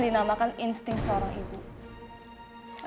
oma gak marah kok sama siva